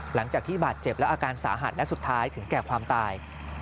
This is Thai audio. หลังจากที่บาดเจ็บและอาการสาหัสและสุดท้ายถึงแก่ความตาย